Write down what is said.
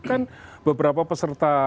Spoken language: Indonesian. kan beberapa peserta